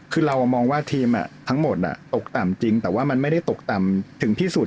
คือเรามองว่าทีมทั้งหมดตกต่ำจริงแต่ว่ามันไม่ได้ตกต่ำถึงที่สุด